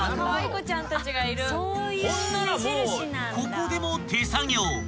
［ここでも手作業］